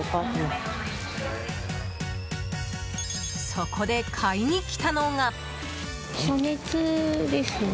そこで、買いに来たのが。